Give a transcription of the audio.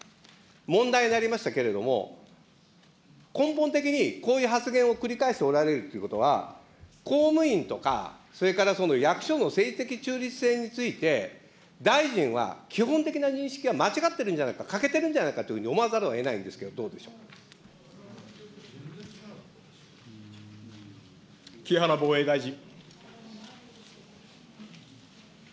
問題になりましたけれども、根本的に、こういう発言を繰り返しておられるということは、公務員とか、それから役所の政治的中立性について、大臣は基本的な認識は間違っているんじゃないか、欠けてるんじゃないかと思わざるをえないんですけど、どうでしょ木原防衛大臣。